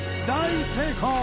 大成功！